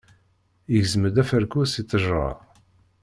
Yegzem-d afarku si ttejra.